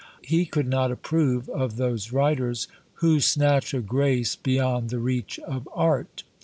He could not approve of those writers, Who snatch a grace beyond the reach of art.